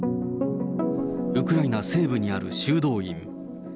ウクライナ西部にある修道院。